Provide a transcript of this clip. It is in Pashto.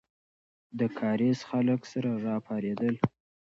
د کارېز خلک سره راپارېدل.